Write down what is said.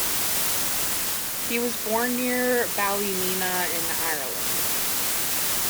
He was born near Ballymena in Ireland.